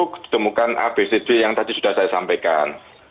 ditemukan abcd yang tadi sudah saya sampaikan